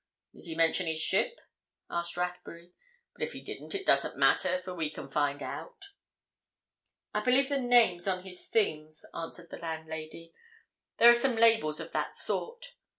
"Did he mention his ship?" asked Rathbury. "But if he didn't, it doesn't matter, for we can find out." "I believe the name's on his things," answered the landlady. "There are some labels of that sort.